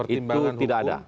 itu tidak ada